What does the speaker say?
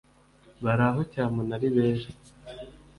bari aho cyamunara ibera